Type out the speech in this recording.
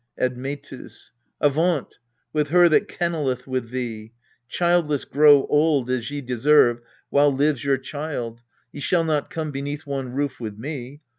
Admctus. Avaunt, with her that kennelleth with thee ! Childless grow old, as ye deserve, while lives Your child : ye shall not come beneath one roof With me.